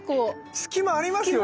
隙間ありますよね？